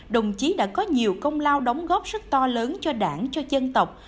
đồng chí đã có nhiều công lao đóng góp rất to lớn cho đảng cho dân tộc